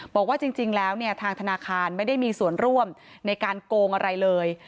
บอกว่าจริงแล้วเนี่ยทางธนาคารไม่ได้มีส่วนร่วมในการโกงอะไรเลย